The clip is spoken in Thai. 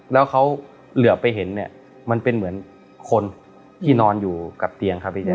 แล้วเขาเหลือไปเห็นเนี่ยมันเป็นเหมือนคนที่นอนอยู่กับเตียงครับพี่แจ